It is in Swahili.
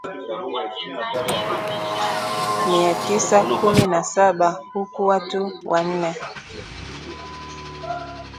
mia tisa kumi na saba huku Watu wanne